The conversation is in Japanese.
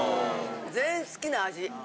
全員好きな味。